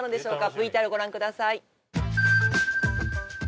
ＶＴＲご覧ください